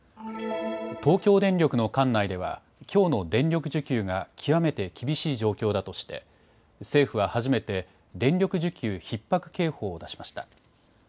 東京電力の管内では、きょうの電力需給が極めて厳しい状況だとして政府は初めて電力需給ひっ迫警報を出しました。